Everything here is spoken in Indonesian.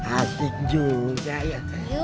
asik juga ya